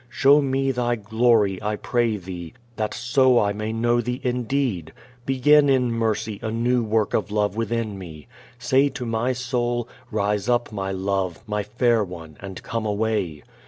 Show me Thy glory, I pray Thee, that so I may know Thee indeed. Begin in mercy a new work of love within me. Say to my soul, "Rise up, my love, my fair one, and come away."